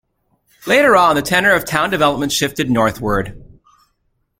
Later on, the tenor of town development shifted northward.